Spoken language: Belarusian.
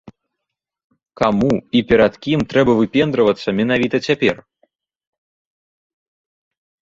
Каму і перад кім трэба выпендрывацца менавіта цяпер?